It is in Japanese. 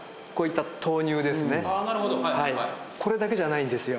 なるほどこれだけじゃないんですよ